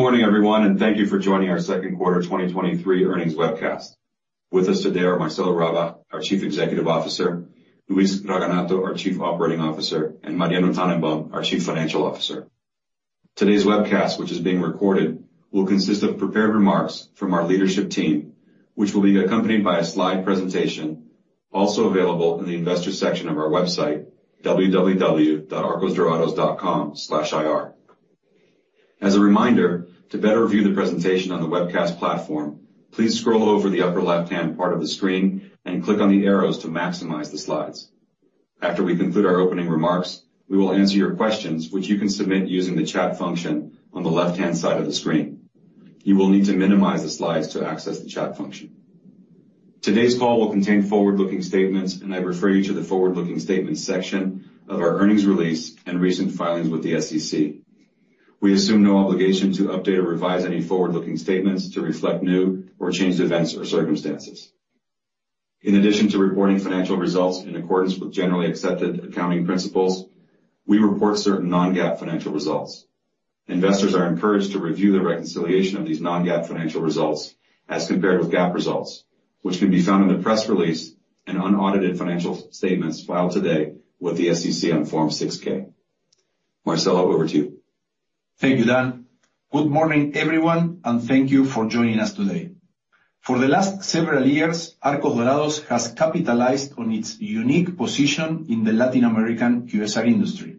Good morning, everyone, and thank you for joining our second quarter 2023 earnings webcast. With us today are Marcelo Rabach, our Chief Executive Officer, Luis Raganato, our Chief Operating Officer, and Mariano Tannenbaum, our Chief Financial Officer. Today's webcast, which is being recorded, will consist of prepared remarks from our leadership team, which will be accompanied by a slide presentation, also available in the investor section of our website, www.arcosdorados.com/ir. As a reminder, to better view the presentation on the webcast platform, please scroll over the upper left-hand part of the screen and click on the arrows to maximize the slides. After we conclude our opening remarks, we will answer your questions, which you can submit using the chat function on the left-hand side of the screen. You will need to minimize the slides to access the chat function. Today's call will contain forward-looking statements, and I refer you to the forward-looking statements section of our earnings release and recent filings with the SEC. We assume no obligation to update or revise any forward-looking statements to reflect new or changed events or circumstances. In addition to reporting financial results in accordance with generally accepted accounting principles, we report certain non-GAAP financial results. Investors are encouraged to review the reconciliation of these non-GAAP financial results as compared with GAAP results, which can be found in the press release and unaudited financial statements filed today with the SEC on Form 6-K. Marcelo, over to you. Thank you, Dan. Good morning, everyone, and thank you for joining us today. For the last several years, Arcos Dorados has capitalized on its unique position in the Latin American QSR industry.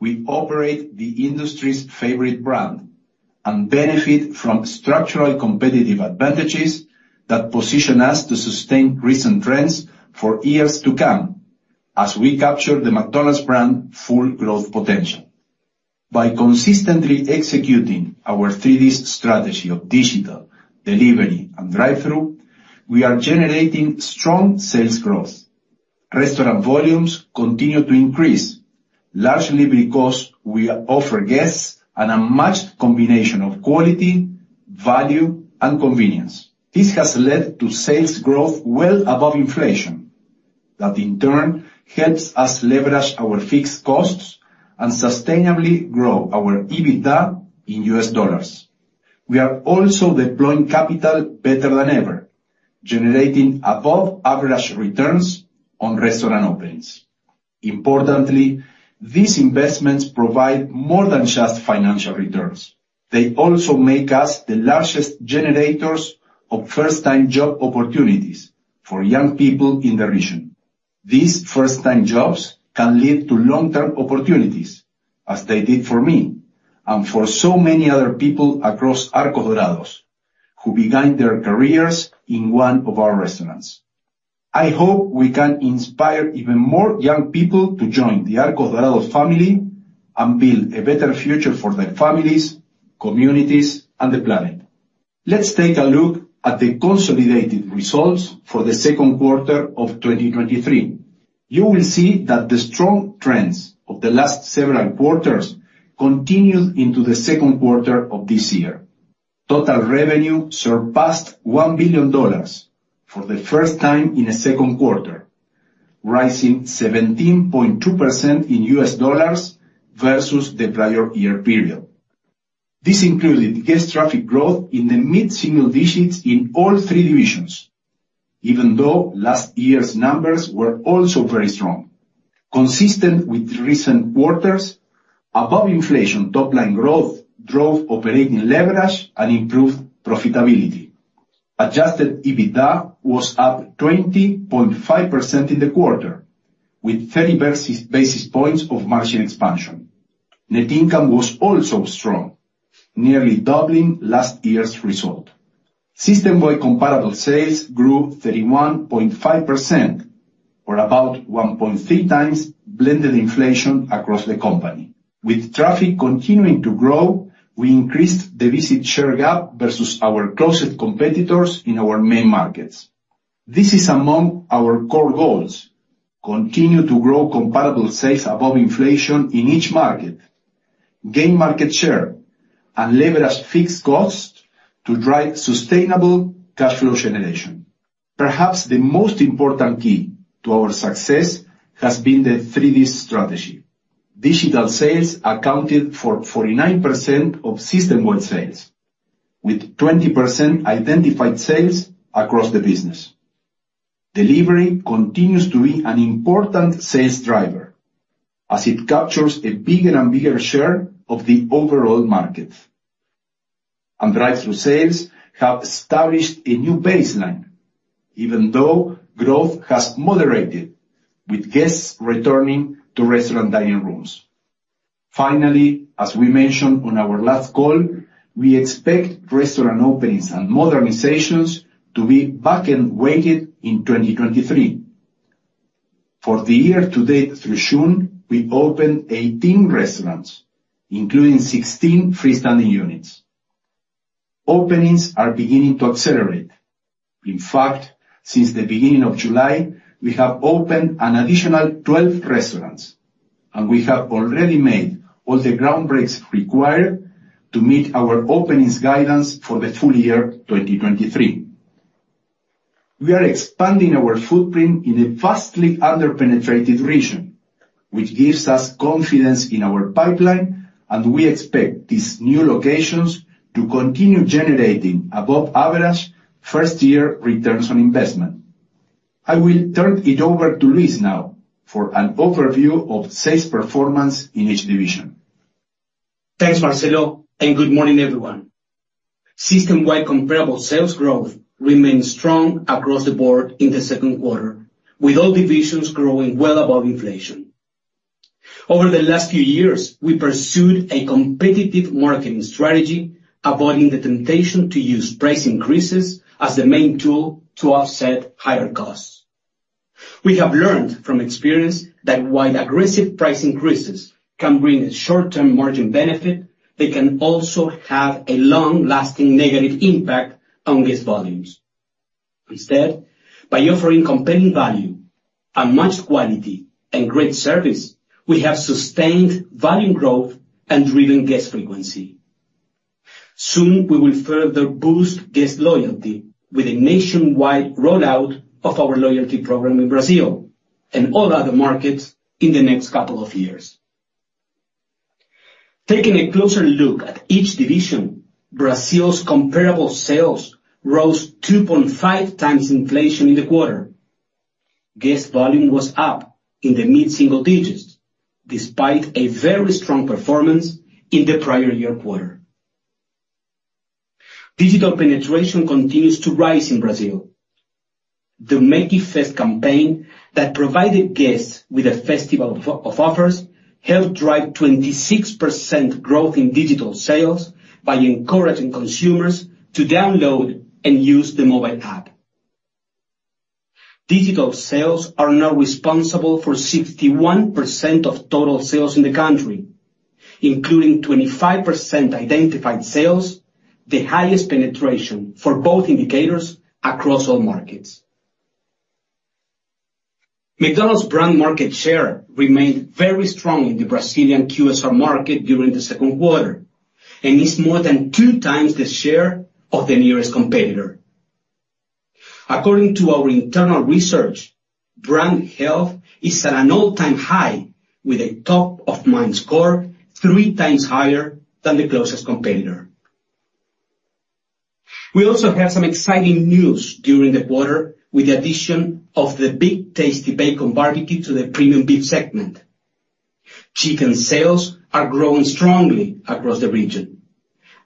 We operate the industry's favorite brand and benefit from structural competitive advantages that position us to sustain recent trends for years to come as we capture the McDonald's brand full growth potential. By consistently executing our 3D strategy of Digital, Delivery, and Drive-Thru, we are generating strong sales growth. Restaurant volumes continue to increase, largely because we offer guests an unmatched combination of quality, value, and convenience. This has led to sales growth well above inflation, that in turn helps us leverage our fixed costs and sustainably grow our EBITDA in U.S. dollars. We are also deploying capital better than ever, generating above average returns on restaurant openings. Importantly, these investments provide more than just financial returns. They also make us the largest generators of first-time job opportunities for young people in the region. These first-time jobs can lead to long-term opportunities, as they did for me and for so many other people across Arcos Dorados, who began their careers in one of our restaurants. I hope we can inspire even more young people to join the Arcos Dorados family and build a better future for their families, communities, and the planet. Let's take a look at the consolidated results for the second quarter of 2023. You will see that the strong trends of the last several quarters continued into the second quarter of this year. Total revenue surpassed $1 billion for the first time in a second quarter, rising 17.2% in U.S. dollars versus the prior year period. This included guest traffic growth in the mid-single digits in all three divisions, even though last year's numbers were also very strong. Consistent with recent quarters, above inflation top-line growth drove operating leverage and improved profitability. Adjusted EBITDA was up 20.5% in the quarter, with 30 basis points of margin expansion. Net income was also strong, nearly doubling last year's result. system-wide comparable sales grew 31.5% or about 1.3x blended inflation across the company. With traffic continuing to grow, we increased the visit share gap versus our closest competitors in our main markets. This is among our core goals: continue to grow comparable sales above inflation in each market, gain market share, and leverage fixed costs to drive sustainable cash flow generation. Perhaps the most important key to our success has been the 3D strategy. Digital sales accounted for 49% of system-wide sales, with 20% identified sales across the business. Delivery continues to be an important sales driver as it captures a bigger and bigger share of the overall market. Drive-Thru sales have established a new baseline, even though growth has moderated, with guests returning to restaurant dining rooms. Finally, as we mentioned on our last call, we expect restaurant openings and modernizations to be back and weighted in 2023. For the year to date through June, we opened 18 restaurants, including 16 freestanding units. Openings are beginning to accelerate. In fact, since the beginning of July, we have opened an additional 12 restaurants. We have already made all the groundbreaks required to meet our openings guidance for the full year 2023. We are expanding our footprint in a vastly underpenetrated region, which gives us confidence in our pipeline, and we expect these new locations to continue generating above average first-year returns on investment. I will turn it over to Luis now for an overview of sales performance in each division. Thanks, Marcelo. Good morning, everyone. System-wide comparable sales growth remained strong across the board in the second quarter, with all divisions growing well above inflation. Over the last few years, we pursued a competitive marketing strategy, avoiding the temptation to use price increases as the main tool to offset higher costs. We have learned from experience that while aggressive price increases can bring a short-term margin benefit, they can also have a long-lasting negative impact on guest volumes. Instead, by offering compelling value and much quality and great service, we have sustained volume growth and driven guest frequency. Soon, we will further boost guest loyalty with a nationwide rollout of our loyalty program in Brazil and all other markets in the next couple of years. Taking a closer look at each division, Brazil's comparable sales rose 2.5x inflation in the quarter. Guest volume was up in the mid-single digits, despite a very strong performance in the prior year quarter. Digital penetration continues to rise in Brazil. The Méqui Fest campaign, that provided guests with a festival of offers, helped drive 26% growth in digital sales by encouraging consumers to download and use the mobile app. Digital sales are now responsible for 61% of total sales in the country, including 25% identified sales, the highest penetration for both indicators across all markets. McDonald's brand market share remained very strong in the Brazilian QSR market during the second quarter and is more than 2x the share of the nearest competitor. According to our internal research, brand health is at an all-time high, with a top-of-mind score 3x higher than the closest competitor. We also have some exciting news during the quarter with the addition of the Big Tasty Bacon Barbecue to the premium beef segment. Chicken sales are growing strongly across the region,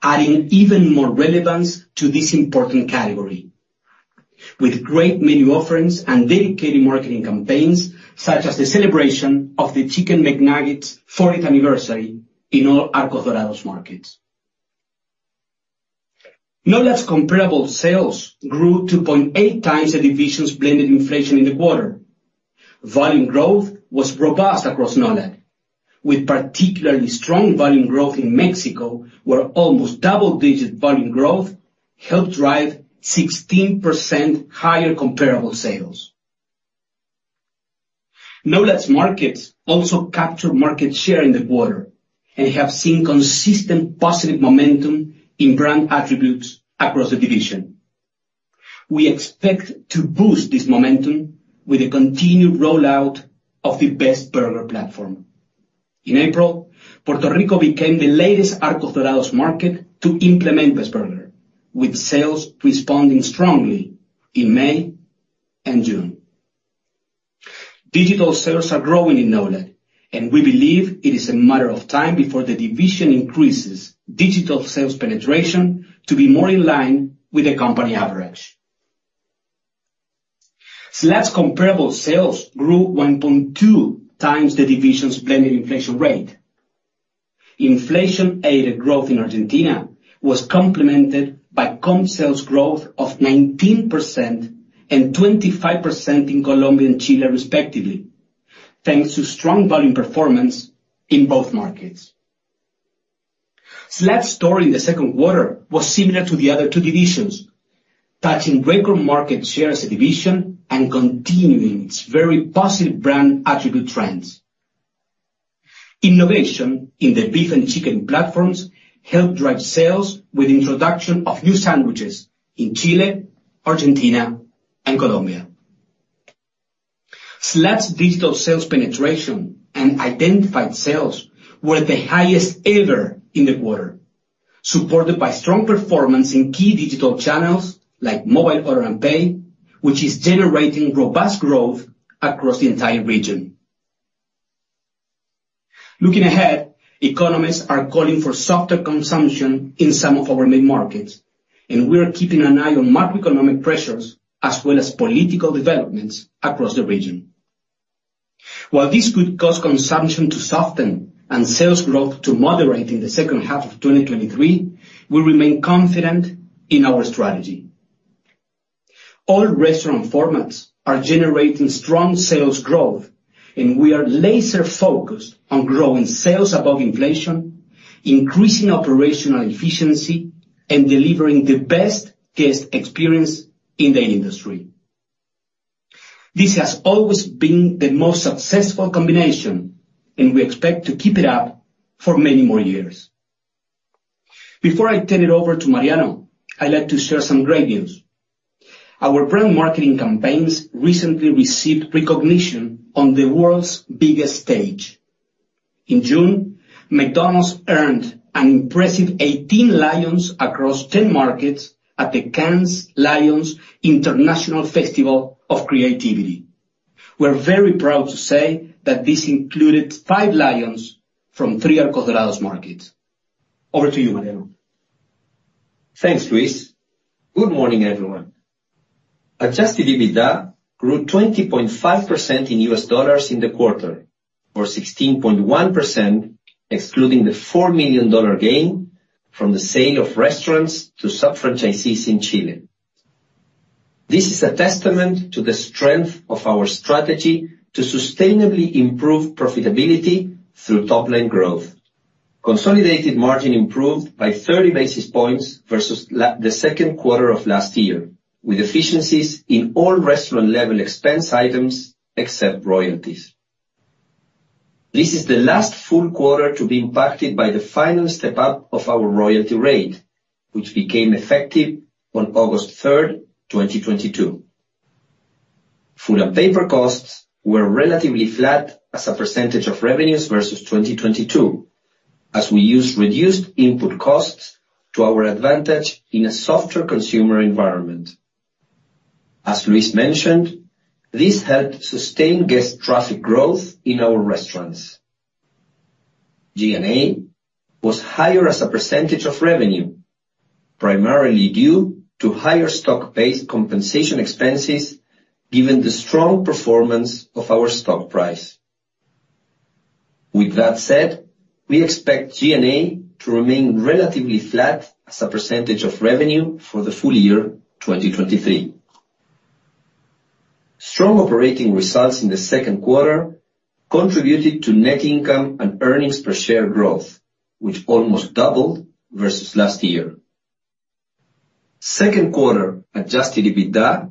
adding even more relevance to this important category, with great menu offerings and dedicated marketing campaigns, such as the celebration of the Chicken McNuggets' 40th anniversary in all Arcos Dorados markets. NOLAD's comparable sales grew 2.8x the division's blended inflation in the quarter. Volume growth was robust across NOLAD, with particularly strong volume growth in Mexico, where almost double-digit volume growth helped drive 16% higher comparable sales. NOLAD's markets also captured market share in the quarter and have seen consistent positive momentum in brand attributes across the division. We expect to boost this momentum with a continued rollout of the Best Burger platform. In April, Puerto Rico became the latest Arcos Dorados market to implement Best Burger, with sales responding strongly in May and June. Digital sales are growing in NOLAD. We believe it is a matter of time before the division increases digital sales penetration to be more in line with the company average. SLAD's comparable sales grew 1.2x the division's blended inflation rate. Inflation-aided growth in Argentina was complemented by comp sales growth of 19% and 25% in Colombia and Chile, respectively, thanks to strong volume performance in both markets. SLAD's story in the second quarter was similar to the other two divisions, touching record market share as a division and continuing its very positive brand attribute trends. Innovation in the beef and chicken platforms helped drive sales with introduction of new sandwiches in Chile, Argentina, and Colombia. SLAD's digital sales penetration and identified sales were the highest ever in the quarter, supported by strong performance in key digital channels like Mobile Order & Pay, which is generating robust growth across the entire region. Looking ahead, economists are calling for softer consumption in some of our main markets, we are keeping an eye on macroeconomic pressures as well as political developments across the region. While this could cause consumption to soften and sales growth to moderate in the second half of 2023, we remain confident in our strategy. All restaurant formats are generating strong sales growth, we are laser-focused on growing sales above inflation, increasing operational efficiency, and delivering the best guest experience in the industry. This has always been the most successful combination, we expect to keep it up for many more years. Before I turn it over to Mariano, I'd like to share some great news. Our brand marketing campaigns recently received recognition on the world's biggest stage. In June, McDonald's earned an impressive 18 Lions across 10 markets at the Cannes Lions International Festival of Creativity. We're very proud to say that this included five Lions from three Arcos Dorados markets. Over to you, Mariano. Thanks, Luis. Good morning, everyone. Adjusted EBITDA grew 20.5% in U.S. dollars in the quarter, or 16.1%, excluding the $4 million gain from the sale of restaurants to sub-franchisees in Chile. This is a testament to the strength of our strategy to sustainably improve profitability through top-line growth. Consolidated margin improved by 30 basis points versus the second quarter of last year, with efficiencies in all restaurant-level expense items, except royalties. This is the last full quarter to be impacted by the final step-up of our royalty rate, which became effective on August 3, 2022. Food and paper costs were relatively flat as a percentage of revenues versus 2022, as we used reduced input costs to our advantage in a softer consumer environment. As Luis mentioned, this helped sustain guest traffic growth in our restaurants. G&A was higher as a percentage of revenue, primarily due to higher stock-based compensation expenses, given the strong performance of our stock price. With that said, we expect G&A to remain relatively flat as a percentage of revenue for the full year 2023. Strong operating results in the second quarter contributed to net income and earnings per share growth, which almost doubled versus last year. Second quarter Adjusted EBITDA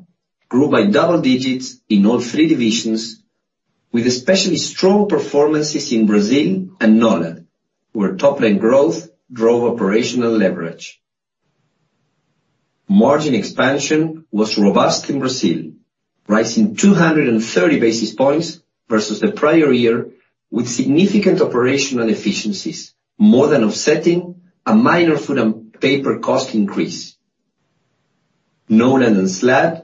grew by double digits in all three divisions, with especially strong performances in Brazil and NOLAD, where top-line growth drove operational leverage. Margin expansion was robust in Brazil, rising 230 basis points versus the prior year, with significant operational efficiencies, more than offsetting a minor food and paper costs increase. NOLAD and SLAD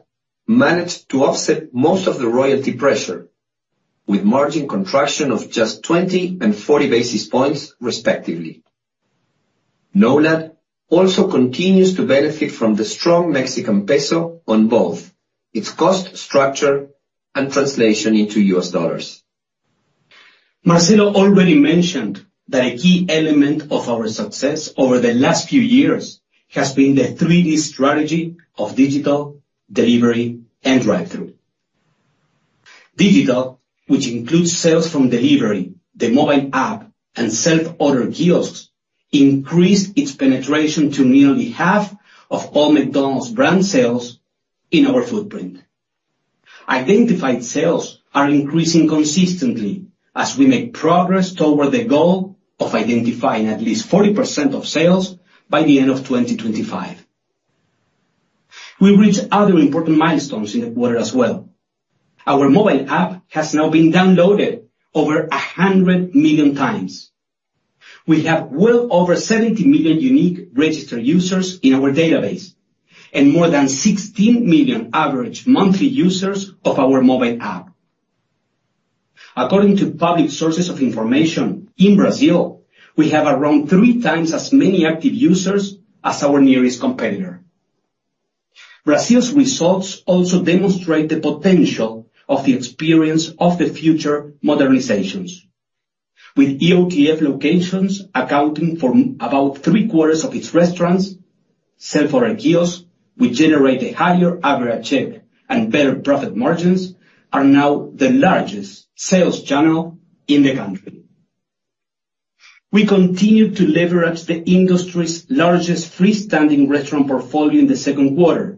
managed to offset most of the royalty pressure, with margin contraction of just 20 and 40 basis points, respectively. NOLAD also continues to benefit from the strong Mexican peso on both its cost structure and translation into US dollars. Marcelo already mentioned that a key element of our success over the last few years has been the 3D strategy of Digital, Delivery, and Drive-Thru. Digital, which includes sales from delivery, the mobile app, and self-order kiosks, increased its penetration to nearly half of all McDonald's brand sales in our footprint. Identified sales are increasing consistently as we make progress toward the goal of identifying at least 40% of sales by the end of 2025. We reached other important milestones in the quarter as well. Our mobile app has now been downloaded over 100 million. We have well over 70 million unique registered users in our database and more than 16 million average monthly users of our mobile app. According to public sources of information, in Brazil, we have around 3x as many active users as our nearest competitor. Brazil's results also demonstrate the potential of the Experience of the Future modernizations, with EOTF locations accounting for about three-quarters of its restaurants. Self-order kiosks, which generate a higher average check and better profit margins, are now the largest sales channel in the country. We continued to leverage the industry's largest freestanding restaurant portfolio in the second quarter,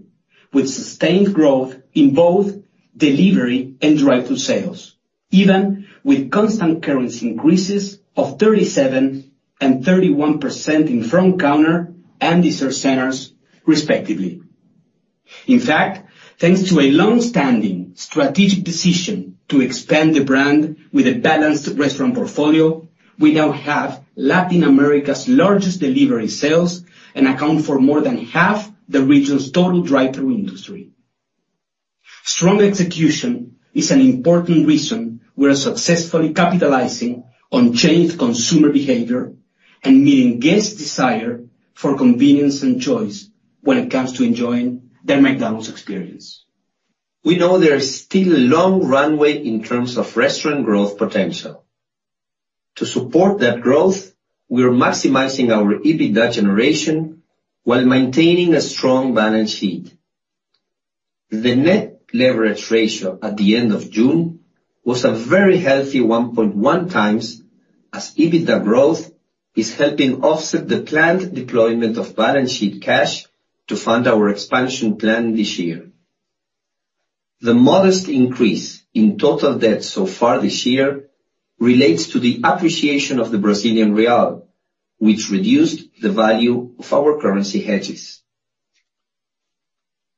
with sustained growth in both delivery and Drive-Thru sales, even with constant currency increases of 37% and 31% in front counter and Dessert Centers, respectively. In fact, thanks to a long-standing strategic decision to expand the brand with a balanced restaurant portfolio, we now have Latin America's largest delivery sales and account for more than half the region's total Drive-Thru industry. Strong execution is an important reason we are successfully capitalizing on changed consumer behavior and meeting guests' desire for convenience and choice when it comes to enjoying their McDonald's experience. We know there is still a long runway in terms of restaurant growth potential. To support that growth, we are maximizing our EBITDA generation while maintaining a strong balance sheet. The net leverage ratio at the end of June was a very healthy 1.1x, as EBITDA growth is helping offset the planned deployment of balance sheet cash to fund our expansion plan this year. The modest increase in total debt so far this year relates to the appreciation of the Brazilian real, which reduced the value of our currency hedges.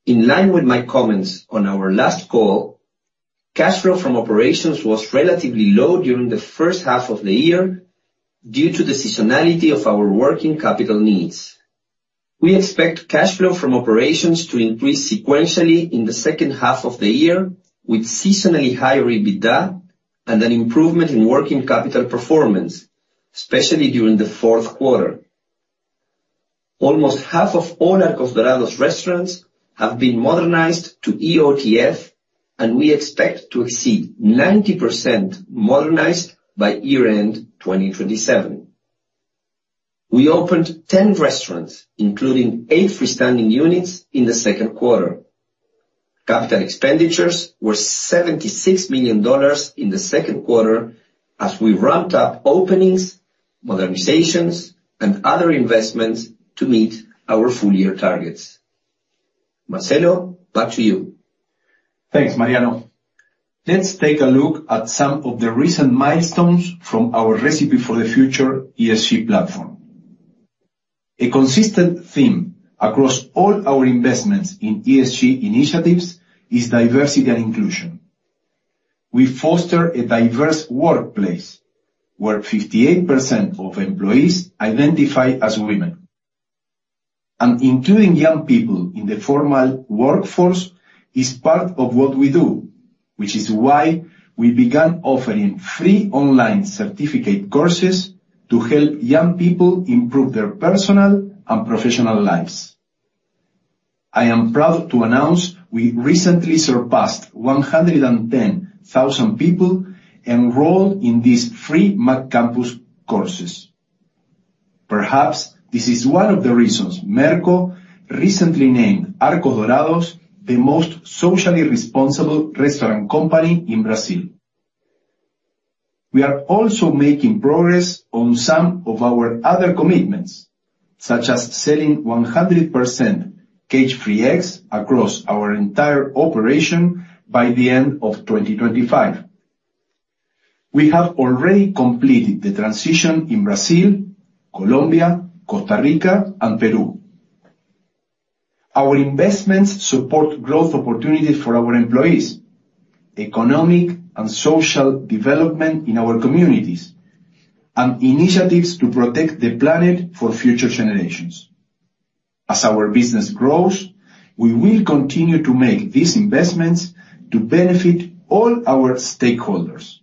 In line with my comments on our last call, cash flow from operations was relatively low during the first half of the year due to the seasonality of our working capital needs. We expect cash flow from operations to increase sequentially in the second half of the year, with seasonally higher EBITDA and an improvement in working capital performance, especially during the fourth quarter. Almost half of all Arcos Dorados restaurants have been modernized to EOTF, we expect to exceed 90% modernized by year-end 2027. We opened 10 restaurants, including 8 freestanding units, in the second quarter. Capital expenditures were $76 million in the second quarter as we ramped up openings, modernizations, and other investments to meet our full year targets. Marcelo, back to you. Thanks, Mariano. Let's take a look at some of the recent milestones from our Recipe for the Future ESG platform. A consistent theme across all our investments in ESG initiatives is diversity and inclusion. We foster a diverse workplace, where 58% of employees identify as women. Including young people in the formal workforce is part of what we do, which is why we began offering free online certificate courses to help young people improve their personal and professional lives. I am proud to announce we recently surpassed 110,000 people enrolled in these free McCampus courses. Perhaps this is one of the reasons Merco recently named Arcos Dorados the most socially responsible restaurant company in Brazil. We are also making progress on some of our other commitments, such as selling 100% cage-free eggs across our entire operation by the end of 2025. We have already completed the transition in Brazil, Colombia, Costa Rica, and Peru. Our investments support growth opportunities for our employees, economic and social development in our communities, and initiatives to protect the planet for future generations. As our business grows, we will continue to make these investments to benefit all our stakeholders.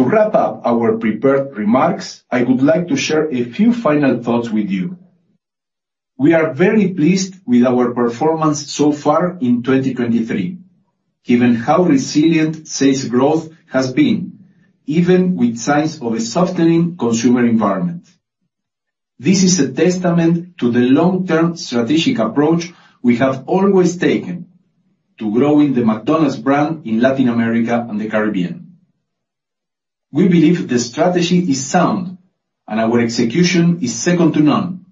To wrap up our prepared remarks, I would like to share a few final thoughts with you. We are very pleased with our performance so far in 2023, given how resilient sales growth has been, even with signs of a softening consumer environment. This is a testament to the long-term strategic approach we have always taken to growing the McDonald's brand in Latin America and the Caribbean. We believe the strategy is sound, and our execution is second to none,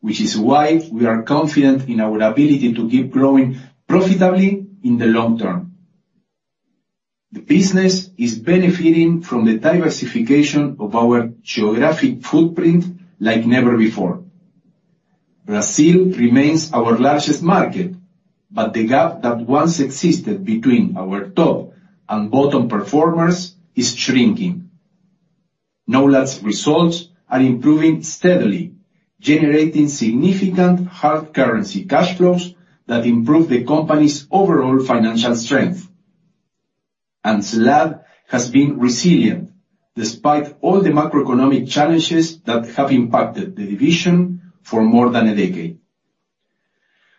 which is why we are confident in our ability to keep growing profitably in the long term. The business is benefiting from the diversification of our geographic footprint like never before. Brazil remains our largest market, but the gap that once existed between our top and bottom performers is shrinking. NOLAD's results are improving steadily, generating significant hard currency cash flows that improve the company's overall financial strength, and SLAD has been resilient despite all the macroeconomic challenges that have impacted the division for more than a decade.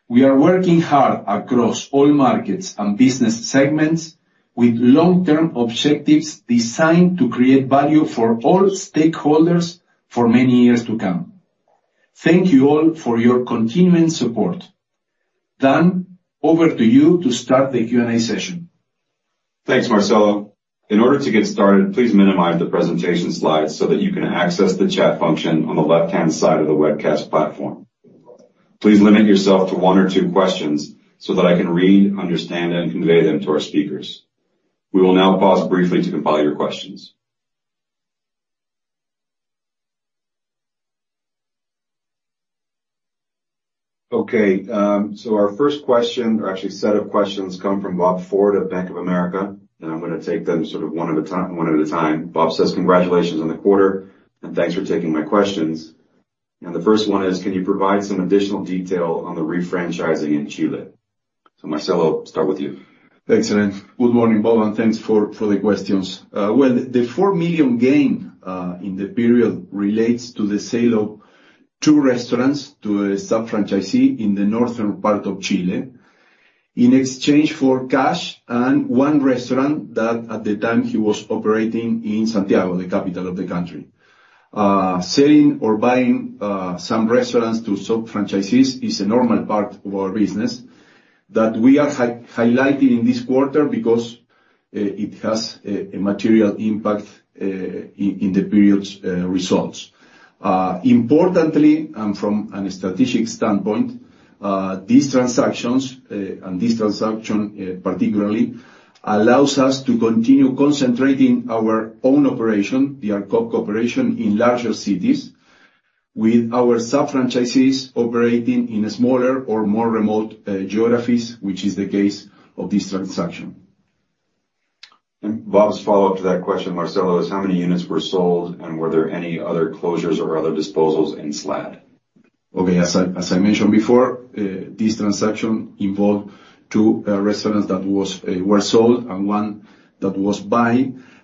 We are working hard across all markets and business segments, with long-term objectives designed to create value for all stakeholders for many years to come. Thank you all for your continuing support. Dan, over to you to start the Q&A session. Thanks, Marcelo. In order to get started, please minimize the presentation slides so that you can access the chat function on the left-hand side of the webcast platform. Please limit yourself to one or two questions so that I can read, understand, and convey them to our speakers. We will now pause briefly to compile your questions. Our first question, or actually set of questions, come from Robert Ford of Bank of America, and I'm gonna take them sort of one at a time, one at a time. Bob says: Congratulations on the quarter, thanks for taking my questions. The first one is: Can you provide some additional detail on the refranchising in Chile? Marcelo, start with you. Excellent. Good morning, Bob, and thanks for the questions. Well, the $4 million gain in the period relates to the sale of two restaurants to a sub-franchisee in the northern part of Chile in exchange for cash and one restaurant that, at the time, he was operating in Santiago, the capital of the country. Selling or buying some restaurants to sub-franchisees is a normal part of our business that we are highlighting in this quarter, because. it has a material impact in the period's results. Importantly, and from a strategic standpoint, these transactions, and this transaction, particularly, allows us to continue concentrating our own operation, the ARCO operation, in larger cities, with our sub-franchisees operating in smaller or more remote geographies, which is the case of this transaction. Bob's follow-up to that question, Marcelo, is how many units were sold, and were there any other closures or other disposals in SLAD? Okay, as I, as I mentioned before, this transaction involved two restaurants that was, were sold and one that was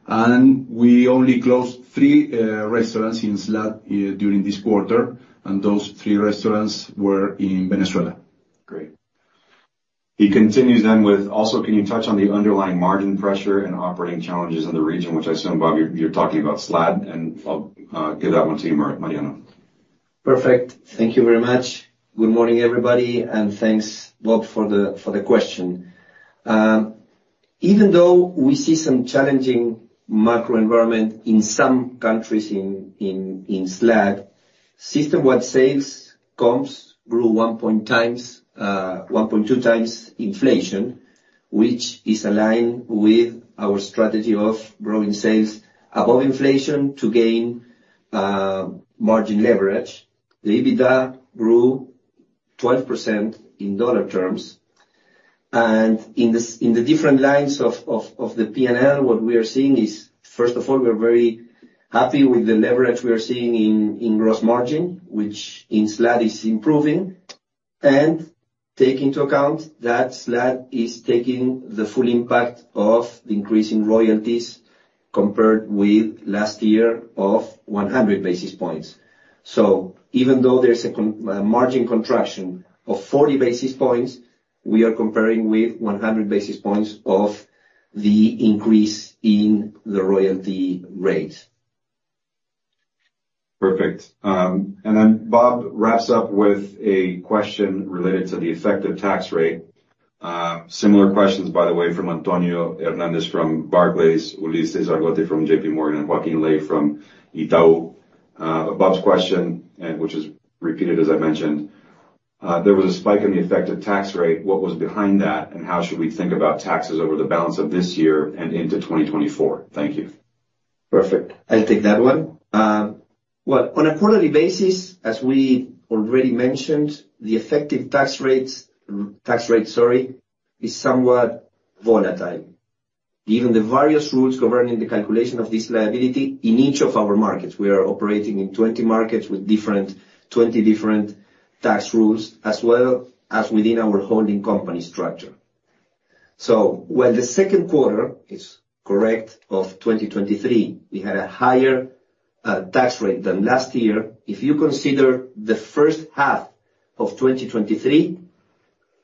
buy. We only closed three restaurants in SLAD during this quarter, and those three restaurants were in Venezuela. Great. He continues then with: "Also, can you touch on the underlying margin pressure and operating challenges in the region?" Which I assume, Bob, you're, you're talking about SLAD, and I'll give that one to you, Mariano. Perfect. Thank you very much. Good morning, everybody, and thanks, Bob, for the question. Even though we see some challenging macro environment in some countries in SLAD, system-wide sales comps grew 1.2x inflation, which is aligned with our strategy of growing sales above inflation to gain margin leverage. The EBITDA grew 12% in dollar terms, and in the different lines of the PNL, what we are seeing is, first of all, we are very happy with the leverage we are seeing in gross margin, which in SLAD is improving. And take into account that SLAD is taking the full impact of the increase in royalties compared with last year of 100 basis points. Even though there's a margin contraction of 40 basis points, we are comparing with 100 basis points of the increase in the royalty rate. Perfect. Bob wraps up with a question related to the effective tax rate. Similar questions, by the way, from Antonio Hernandez, from Barclays, Ulises Argote from JPMorgan, and Joaquin Ley from Itau. Bob's question, and which is repeated, as I mentioned, there was a spike in the effective tax rate. What was behind that, and how should we think about taxes over the balance of this year and into 2024? Thank you. Perfect. I'll take that one. Well, on a quarterly basis, as we already mentioned, the effective tax rates, tax rate, sorry, is somewhat volatile. Given the various rules governing the calculation of this liability in each of our markets, we are operating in 20 markets with 20 different tax rules, as well as within our holding company structure. While the second quarter is correct, of 2023, we had a higher tax rate than last year. If you consider the first half of 2023,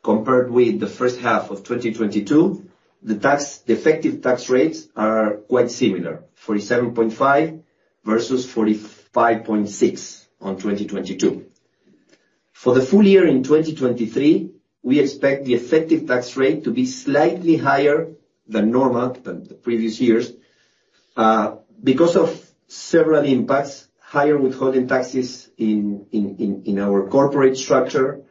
compared with the first half of 2022, the tax, the effective tax rates are quite similar, 47.5% versus 45.6% on 2022. For the full year in 2023, we expect the effective tax rate to be slightly higher than normal, than the previous years, because of several impacts, higher withholding taxes in our corporate structure,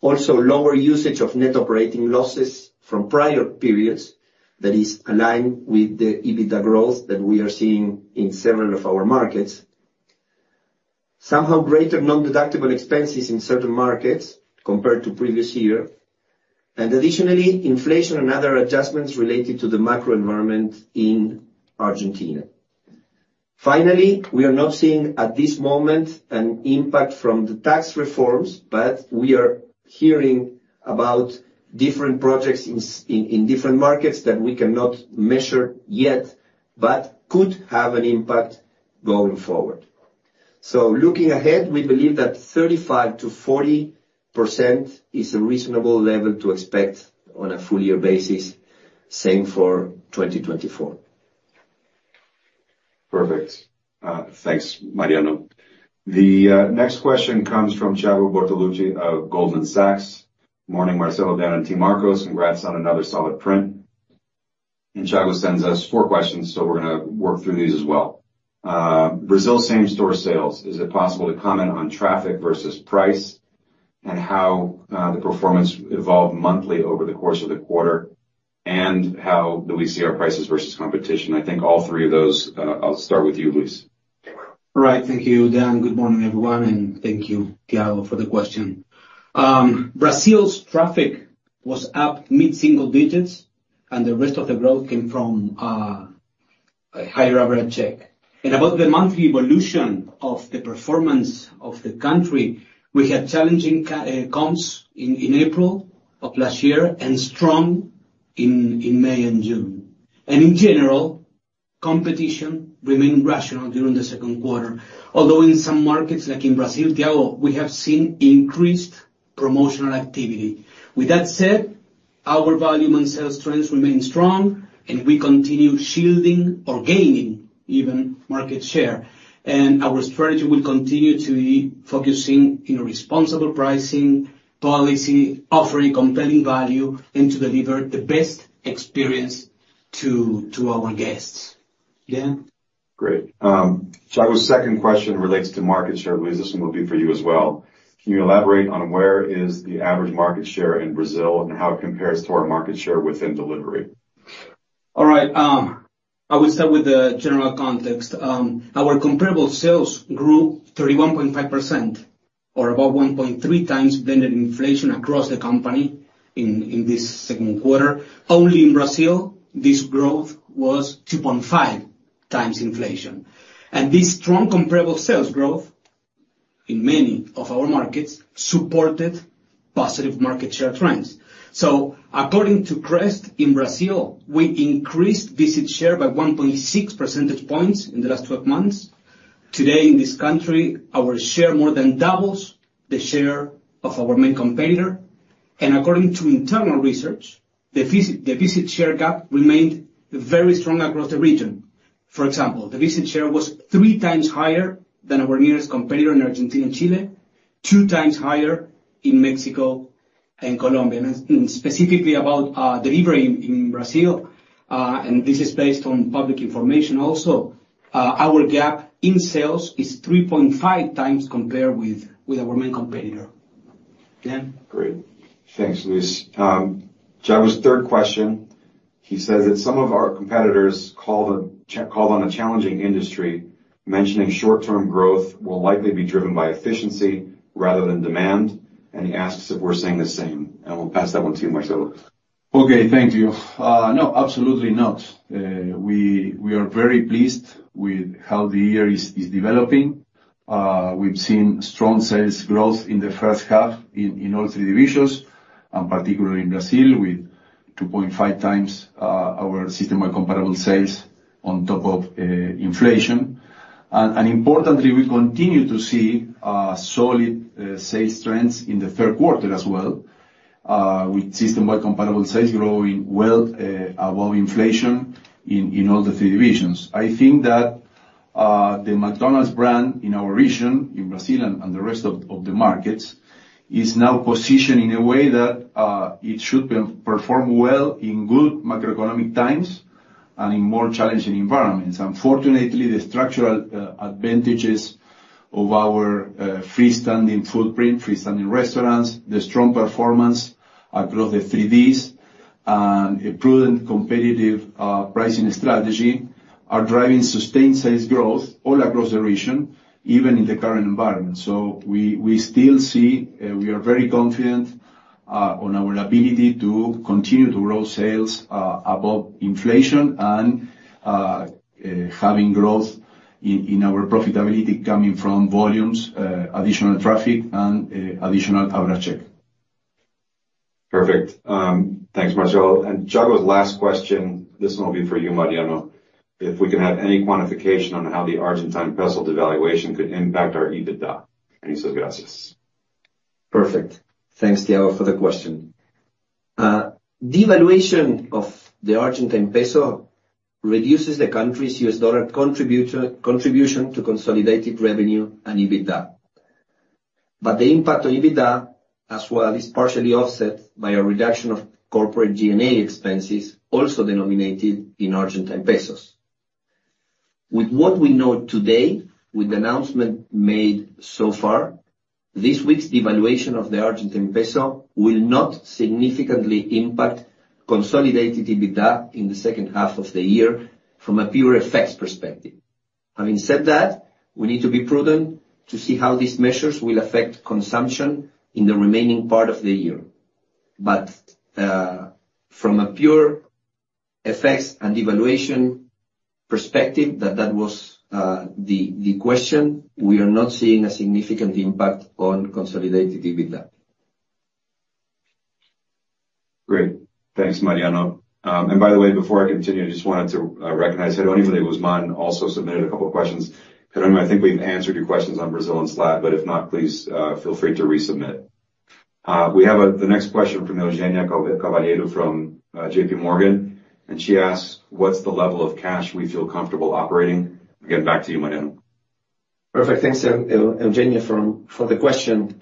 also lower usage of net operating losses from prior periods that is aligned with the EBITDA growth that we are seeing in several of our markets. Somehow greater non-deductible expenses in certain markets compared to previous year, and additionally, inflation and other adjustments related to the macro environment in Argentina. Finally, we are not seeing, at this moment, an impact from the tax reforms, but we are hearing about different projects in different markets that we cannot measure yet, but could have an impact going forward. Looking ahead, we believe that 35%-40% is a reasonable level to expect on a full year basis, same for 2024. Perfect. Thanks, Mariano. The next question comes from Thiago Bortoluci of Goldman Sachs: "Morning, Marcelo, Dan, and Team Arcos. Congrats on another solid print." Thiago sends us four questions, so we're gonna work through these as well. Brazil same-store sales, is it possible to comment on traffic versus price, and how the performance evolved monthly over the course of the quarter, and how do we see our prices versus competition? I think all three of those, I'll start with you, Luis. Right. Thank you, Dan. Good morning, everyone, and thank you, Thiago, for the question. Brazil's traffic was up mid-single digits. The rest of the growth came from a higher average check. About the monthly evolution of the performance of the country, we had challenging comps in April of last year, and strong in May and June. In general, competition remained rational during the second quarter, although in some markets, like in Brazil, Thiago, we have seen increased promotional activity. With that said, our volume and sales trends remain strong, and we continue shielding or gaining even market share. Our strategy will continue to be focusing in responsible pricing, policy, offering compelling value, and to deliver the best experience to our guests. Dan? Great. Thiago's second question relates to market share. Luis, this one will be for you as well. Can you elaborate on where is the average market share in Brazil, and how it compares to our market share within delivery? All right, I will start with the general context. Our comparable sales grew 31.5%, or about 1.3x blended inflation across the company in this second quarter. Only in Brazil, this growth was 2.5x inflation. This strong comparable sales growth in many of our markets supported positive market share trends. According to CREST, in Brazil, we increased visit share by 1.6 percentage points in the last 12 months. Today, in this country, our share more than doubles the share of our main competitor, and according to internal research, the visit, the visit share gap remained very strong across the region. For example, the visit share was 3x higher than our nearest competitor in Argentina and Chile, 2x higher in Mexico and Colombia. Specifically about delivery in Brazil, and this is based on public information also, our gap in sales is 3.5x compared with our main competitor. Dan? Great. Thanks, Luis. Thiago's third question: He says that some of our competitors called on a challenging industry, mentioning short-term growth will likely be driven by efficiency rather than demand, and he asks if we're saying the same. We'll pass that one to you, Marcelo. Okay. Thank you. No, absolutely not. We are very pleased with how the year is developing. We've seen strong sales growth in the first half in all three divisions, and particularly in Brazil, with 2.5x our system and comparable sales on top of inflation. Importantly, we continue to see solid sales trends in the third quarter as well, with system-wide comparable sales growing well above inflation in all the three divisions. I think that the McDonald's brand in our region, in Brazil and the rest of the markets, is now positioned in a way that it should be perform well in good macroeconomic times and in more challenging environments. Unfortunately, the structural advantages of our freestanding footprint, freestanding restaurants, the strong performance across the three Ds, and a prudent, competitive pricing strategy, are driving sustained sales growth all across the region, even in the current environment. We still see, we are very confident on our ability to continue to grow sales above inflation and having growth in our profitability coming from volumes, additional traffic and additional average check. Perfect. Thanks, Marcelo. Thiago's last question, this one will be for you, Mariano. If we can have any quantification on how the Argentine peso devaluation could impact our EBITDA. Muchas gracias. Perfect. Thanks, Thiago, for the question. Devaluation of the Argentine peso reduces the country's U.S. dollar contribution to consolidated revenue and EBITDA. The impact on EBITDA, as well, is partially offset by a reduction of corporate G&A expenses, also denominated in Argentine pesos. With what we know today, with the announcement made so far, this week's devaluation of the Argentine peso will not significantly impact consolidated EBITDA in the second half of the year from a pure effects perspective. Having said that, we need to be prudent to see how these measures will affect consumption in the remaining part of the year. From a pure effects and devaluation perspective, that was the question, we are not seeing a significant impact on consolidated EBITDA. Great. Thanks, Mariano. By the way, before I continue, I just wanted to recognize Jeronimo De Guzman also submitted a couple of questions. Gerónimo, I think we've answered your questions on Brazil and SLAD, but if not, please, feel free to resubmit. We have the next question from Eugenia Caballero from JPMorgan, she asks: What's the level of cash we feel comfortable operating? Again, back to you, Mariano. Perfect. Thanks, Eugenia, for the question.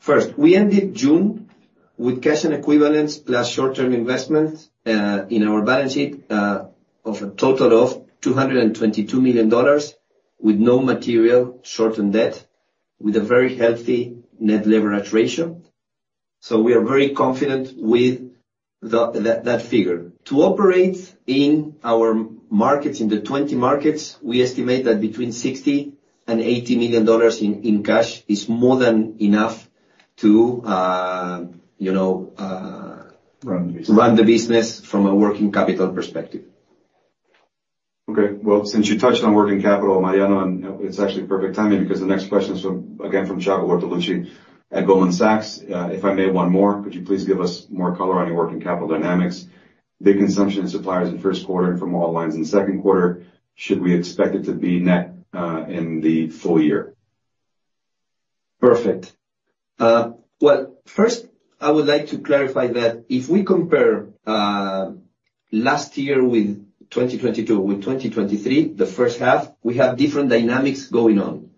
First, we ended June with cash and equivalents, plus short-term investments, in our balance sheet, of a total of $222 million, with no material short-term debt, with a very healthy net leverage ratio. We are very confident with that figure. To operate in our markets, in the 20 markets, we estimate that between $60 million and $80 million in cash is more than enough to, you know. Run the business. run the business from a working capital perspective. Okay. Well, since you touched on working capital, Mariano Tannenbaum, and it's actually perfect timing, because the next question is from, again, from Thiago Bortoluci at Goldman Sachs. "If I may, one more, could you please give us more color on your working capital dynamics? The consumption of suppliers in first quarter and from all lines in the second quarter, should we expect it to be net in the full year? Perfect. Well, first, I would like to clarify that if we compare last year with 2022 with 2023, the first half, we have different dynamics going on.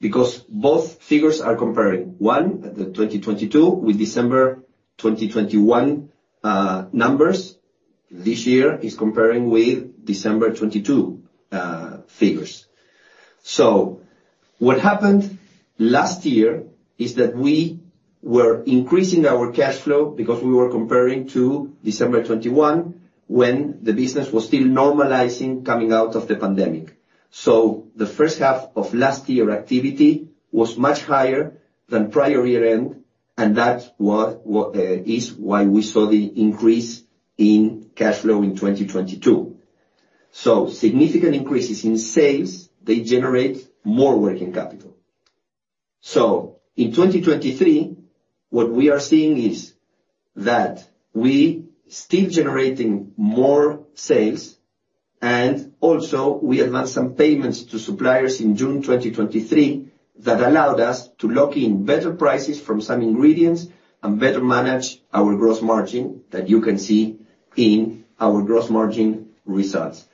because both figures are comparing, one, the 2022 with December 2021 numbers. This year is comparing with December 2022 figures. What happened last year is that we were increasing our cash flow because we were comparing to December 2021, when the business was still normalizing, coming out of the pandemic. The first half of last year activity was much higher than prior year-end, and that's what, what is why we saw the increase in cash flow in 2022. Significant increases in sales, they generate more working capital. In 2023, what we are seeing is that we still generating more sales, and also we advanced some payments to suppliers in June 2023, that allowed us to lock in better prices from some ingredients and better manage our gross margin, that you can see in our gross margin results.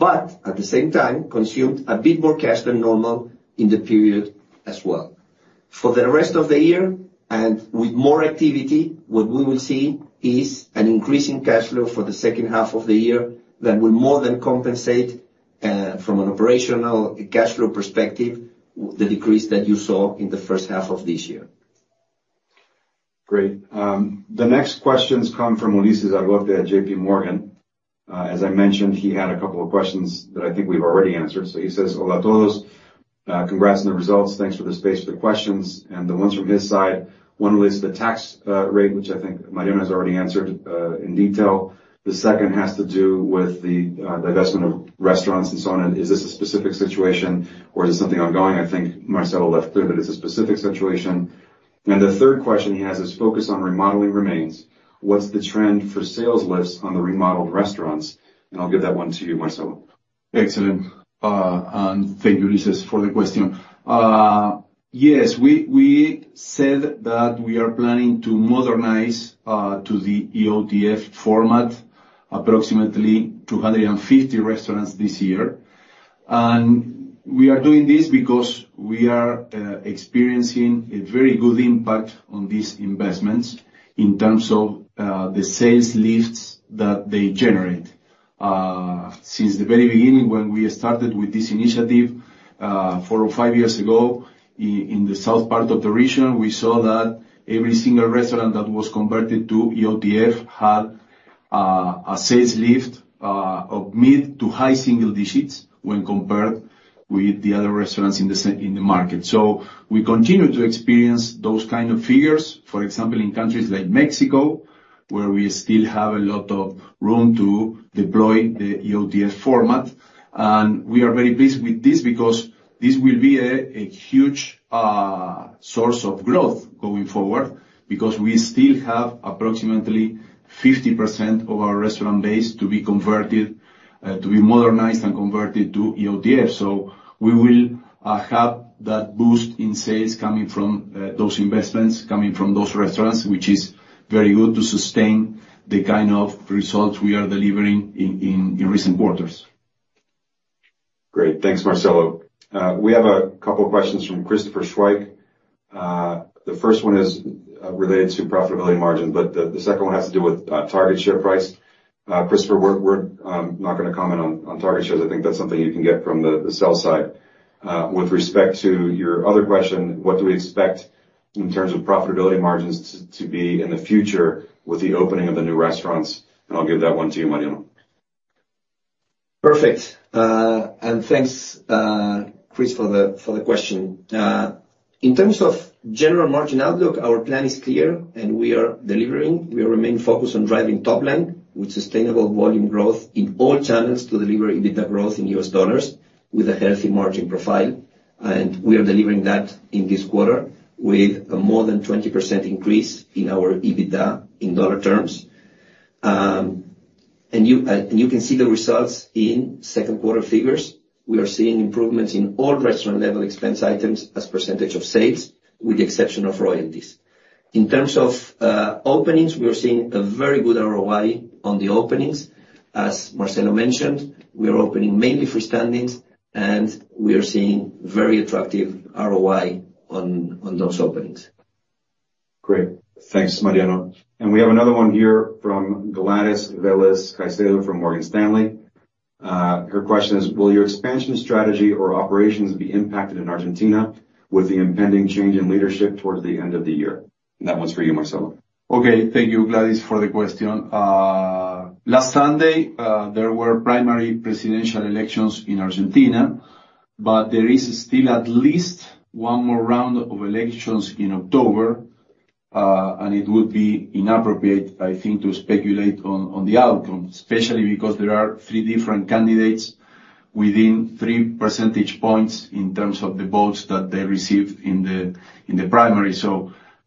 At the same time, consumed a bit more cash than normal in the period as well. For the rest of the year, and with more activity, what we will see is an increase in cash flow for the second half of the year that will more than compensate, from an operational cash flow perspective, the decrease that you saw in the first half of this year. Great. The next questions come from Ulises Argote at JPMorgan. As I mentioned, he had a couple of questions that I think we've already answered. He says, Hola todos, congrats on the results. Thanks for the space for the questions. The ones from his side, one was the tax rate, which I think Mariano has already answered in detail. The second has to do with the divestment of restaurants and so on. Is this a specific situation or is it something ongoing? I think Marcelo left clear that it's a specific situation. The third question he has is: focus on remodeling remains. What's the trend for sales lifts on the remodeled restaurants? I'll give that one to you, Marcelo. Excellent. Thank you, Ulises, for the question. Yes, we, we said that we are planning to modernize to the EOTF format, approximately 250 restaurants this year. We are doing this because we are experiencing a very good impact on these investments in terms of the sales lifts that they generate. Since the very beginning, when we started with this initiative, four or five years ago, in the south part of the region, we saw that every single restaurant that was converted to EOTF had a sales lift of mid to high single digits when compared with the other restaurants in the market. We continue to experience those kind of figures, for example, in countries like Mexico, where we still have a lot of room to deploy the EOTF format. We are very pleased with this because this will be a huge source of growth going forward, because we still have approximately 50% of our restaurant base to be converted, to be modernized and converted to EOTF. We will have that boost in sales coming from those investments, coming from those restaurants, which is very good to sustain the kind of results we are delivering in recent quarters. Great. Thanks, Marcelo. We have a couple of questions from Christopher Schwank. The first one is related to profitability margin, but the, the second one has to do with target share price. Christopher, we're, we're not gonna comment on, on target shares. I think that's something you can get from the, the sell side. With respect to your other question, what do we expect in terms of profitability margins to, to be in the future with the opening of the new restaurants? I'll give that one to you, Mariano. Perfect. Thanks, Chris, for the, for the question. In terms of general margin outlook, our plan is clear, and we are delivering. We remain focused on driving top line with sustainable volume growth in all channels to deliver EBITDA growth in U.S. dollars with a healthy margin profile. We are delivering that in this quarter with a more than 20% increase in our EBITDA in dollar terms. You can see the results in second quarter figures. We are seeing improvements in all restaurant level expense items as percentage of sales, with the exception of royalties. In terms of openings, we are seeing a very good ROI on the openings. As Marcelo mentioned, we are opening mainly freestandings, and we are seeing very attractive ROI on, on those openings. Great. Thanks, Mariano. We have another one here from Gladys Velez Caicedo, from Morgan Stanley. Her question is: Will your expansion strategy or operations be impacted in Argentina with the impending change in leadership towards the end of the year? That one's for you, Marcelo. Okay. Thank you, Gladys, for the question. Last Sunday, there were primary presidential elections in Argentina. There is still at least one more round of elections in October, and it would be inappropriate, I think, to speculate on, on the outcome, especially because there are three different candidates within three percentage points in terms of the votes that they received in the primary.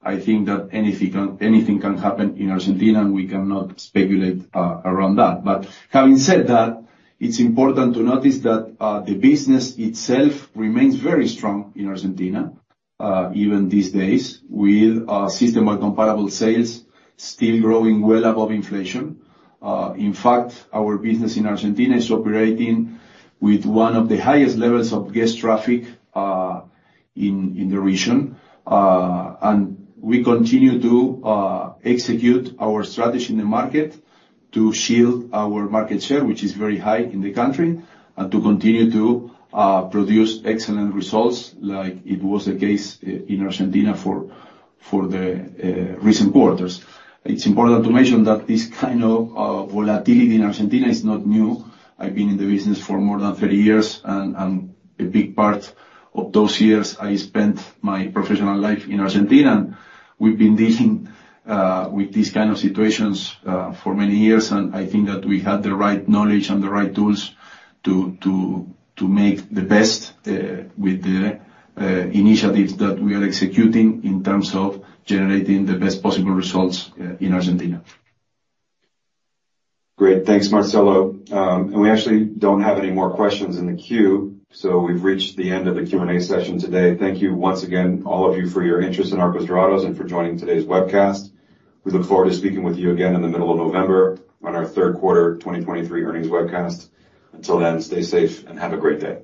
I think that anything can, anything can happen in Argentina, and we cannot speculate around that. Having said that, it's important to notice that the business itself remains very strong in Argentina, even these days, with our system and comparable sales still growing well above inflation. In fact, our business in Argentina is operating with one of the highest levels of guest traffic in the region. We continue to execute our strategy in the market to shield our market share, which is very high in the country, and to continue to produce excellent results, like it was the case in Argentina for the recent quarters. It's important to mention that this kind of volatility in Argentina is not new. I've been in the business for more than 30 years, and a big part of those years, I spent my professional life in Argentina. We've been dealing with these kind of situations for many years, and I think that we have the right knowledge and the right tools to make the best with the initiatives that we are executing in terms of generating the best possible results in Argentina. Great. Thanks, Marcelo. We actually don't have any more questions in the queue, so we've reached the end of the Q&A session today. Thank you once again, all of you, for your interest in Arcos Dorados and for joining today's webcast. We look forward to speaking with you again in the middle of November on our third quarter 2023 earnings webcast. Until then, stay safe and have a great day.